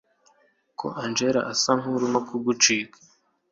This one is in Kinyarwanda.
ko angella asa nkurimo kugucika